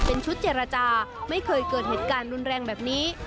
เป็นชุดเจรจาไม่เคยเกิดเหตุการณ์รุนแรงแบบนี้